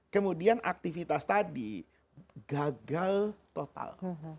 kemudian aktivitas tadi gagal total